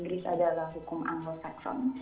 inggris adalah hukum anglo saxon